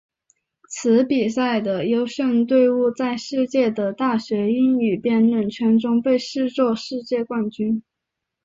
此比赛的优胜队伍在世界的大学英语辩论圈中被视作世界冠军。